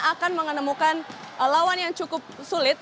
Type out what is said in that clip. akan menemukan lawan yang cukup sulit